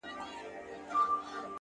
و ماته عجيبه دي توري د ؛